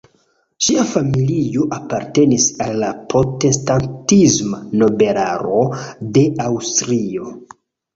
Ŝia familio apartenis la la protestantisma nobelaro de Aŭstrio.